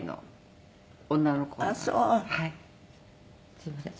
すいません。